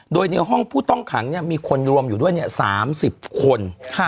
โดยในห้องผู้ต้องขังมีคนรวมอยู่ด้วย๓๐คน